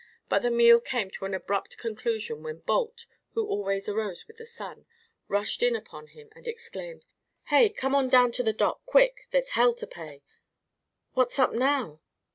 But the meal came to an abrupt conclusion when Balt, who always arose with the sun, rushed in upon him and exclaimed: "Hey! come on down to the dock, quick. There's hell to pay!" "What's up now?"